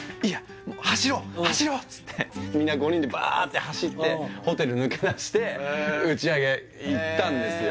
走ろうっつってみんな５人でバーッて走ってホテル抜け出して打ち上げ行ったんですよ